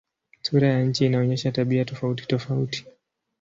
Sura ya nchi inaonyesha tabia tofautitofauti.